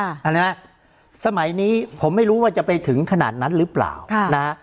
เห็นไหมสมัยนี้ผมไม่รู้ว่าจะไปถึงขนาดนั้นหรือเปล่านะฮะ